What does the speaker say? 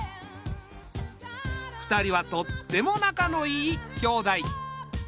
２人はとってもなかのいい兄妹。